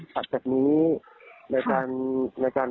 หลักจากนี้ในการ